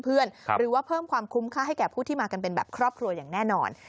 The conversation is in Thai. หรือว่าเพิ่มความคุ้มค่าให้แก่ผู้ที่มากันเป็นแบบครอบครัวอย่างแน่นอน